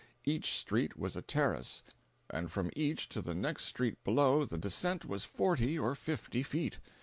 Each street was a terrace, and from each to the next street below the descent was forty or fifty feet.